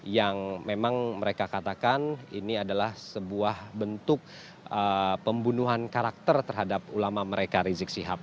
yang memang mereka katakan ini adalah sebuah bentuk pembunuhan karakter terhadap ulama mereka rizik sihab